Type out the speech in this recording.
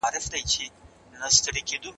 اخرت هم ښايسته وي.